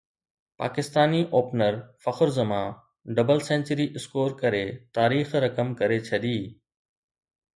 Pakistani opener Fakhar Zaman double century score ڪري تاريخ رقم ڪري ڇڏي